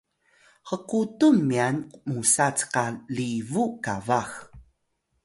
hkutun myan musa cka libu qabax